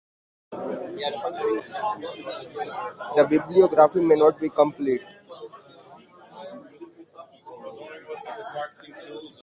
This bibliography may not be complete.